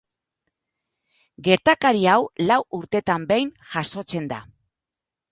Gertakari hau lau urtetan behin jazotzen da.